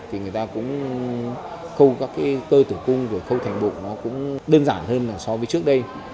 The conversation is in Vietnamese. thì người ta cũng không các cái cơ tử cung rồi khâu thành bụng nó cũng đơn giản hơn là so với trước đây